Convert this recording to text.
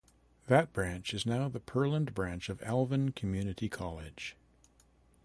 That building is now the Pearland branch of Alvin Community College.